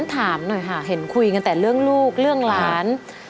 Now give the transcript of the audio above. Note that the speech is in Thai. ถามหน่อยค่ะเห็นคุยกันแต่เรื่องลูกเรื่องหลาน